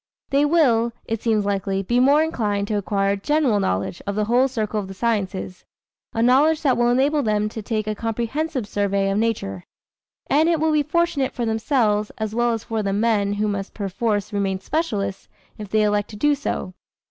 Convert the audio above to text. They will, it seems likely, be more inclined to acquire a general knowledge of the whole circle of the sciences a knowledge that will enable them to take a comprehensive survey of nature. And it will be fortunate for themselves, as well as for the men who must perforce remain specialists, if they elect to do so.